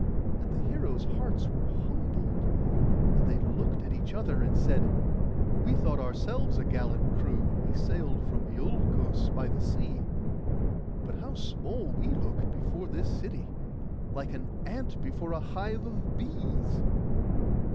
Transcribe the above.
And the heroes' hearts were humbled, and they looked at each other and said, 'We thought ourselves a gallant crew when we sailed from Iolcos by the sea; but how small we look before this city, like an ant before a hive of bees.